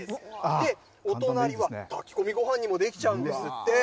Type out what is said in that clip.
で、お隣は炊き込みごはんにもできちゃうんですって。